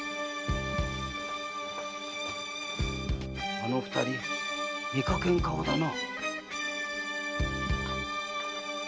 あの二人見かけん顔だな